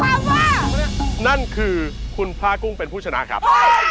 ว่านั่นคือคุณพระกุ้งเป็นผู้ชนะครับ